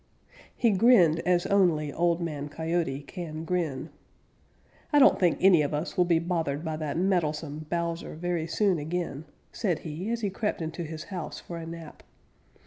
He grinned as only Old Man Coyote can grin. "I don't think any of us will be bothered by that meddlesome Bowser very soon again," said he, as he crept into his house for a nap.